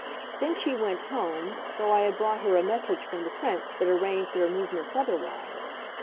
Then she went home, though I had brought her a message from the Prince that arranged their movements otherwise.